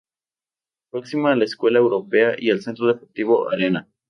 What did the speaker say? Próxima a la Escuela Europea y al Centro Deportivo Arena.